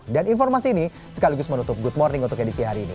dan informasi ini sekaligus menutup good morning untuk edisi hari ini